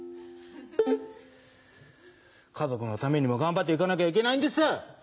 家族のためにも頑張っていかなきゃいけないんです。